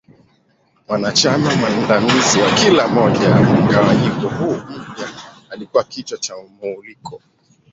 Mwanachama mwandamizi wa kila moja ya mgawanyiko huu mpya alikua kichwa cha Muwuluko.